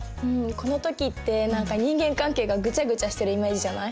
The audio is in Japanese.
この時って何か人間関係がぐちゃぐちゃしてるイメージじゃない？